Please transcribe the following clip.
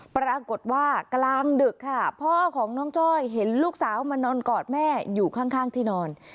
ปรากฏว่ากลางดึกค่ะพ่อของน้องจ้อยเห็นลูกสาวมานอนกอดแม่อยู่ข้างที่นอน